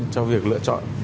cho việc lựa chọn